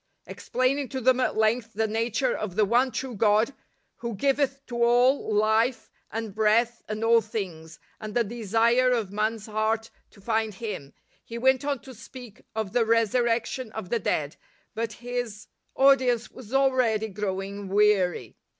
! Explaining to them at length the nature of the ! one true God, " Who giveth to all life and f breath and all things," and the desire of !' man's heart to find Him, he went on to speak i of the resurrection of the dead; but his I; , audience was already growing weary.